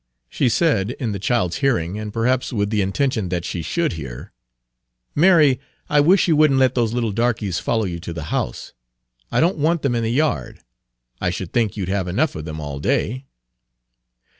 She said, in the child's hearing, and perhaps with the intention that she should hear: "Mary, I wish you wouldn't let those little darkeys follow you to the house. I don't want them in the yard. I should think you 'd have enough of them all day."